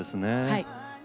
はい。